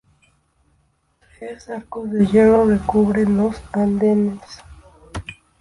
Tres arcos de hierro recubren los andenes.